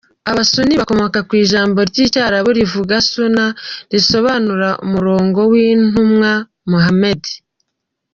Abasuni bakomka ku ijambo ry’icyarabu rivuga Suna; risobanura umurongo w’intumwa Muhamadi.